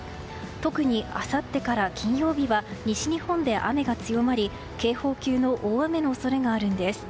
特にあさってから金曜日は西日本で雨が強まり警報級の大雨の恐れがあるんです。